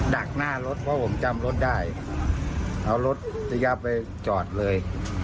ักหน้ารถเพราะผมจำรถได้เอารถระยะไปจอดเลย